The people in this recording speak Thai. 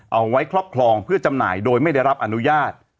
เอาไว้ครอบครองเพื่อจำหน่ายโดยไม่ได้รับอนุญาต